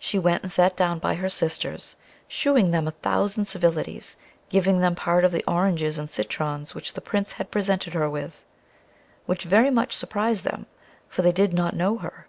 She went and sat down by her sisters, shewing them a thousand civilities, giving them part of the oranges and citrons which the Prince had presented her with; which very much surprised them, for they did not know her.